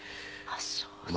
あっそう。